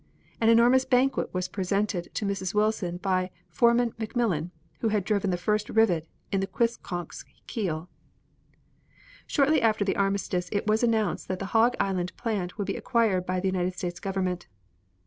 An enormous bouquet was presented to Mrs. Wilson by Foreman McMillan, who had driven the first rivet in the Quistconck's keel. Shortly after the armistice it was announced that the Hog Island plant would be acquired by the United States Government.